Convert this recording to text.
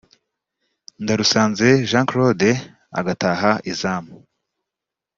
Ndarusanze Jean Claude agataha izamu